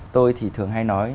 tôi thì thường hay nói